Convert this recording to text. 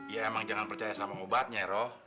ya emang jangan percaya sama obatnya ya roh